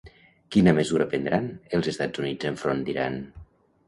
Quina mesura prendran els Estats Units enfront d'Iran?